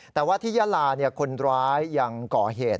แต่ว่าที่ยาลาคนร้ายยังก่อเหตุ